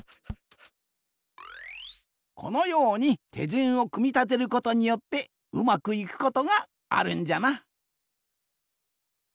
このようにてじゅんをくみたてることによってうまくいくことがあるんじゃな。